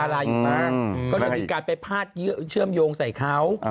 ก็เลยมีการไปพาดเชื่อมโยงใส่เขา